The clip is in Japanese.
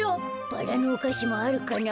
バラのおかしもあるかな。